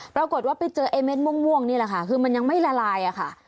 ปรากฏว่าไปเจอไอ้เม้นม่วงนี่แหละค่ะคือมันยังไม่ละลายอะค่ะ